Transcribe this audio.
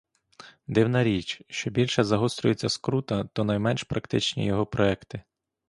Дивна річ: що більше загострюється скрута, то найменш практичні його проекти.